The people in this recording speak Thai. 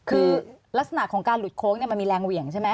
คือลักษณะของการหลุดโค้งมันมีแรงเหวี่ยงใช่ไหม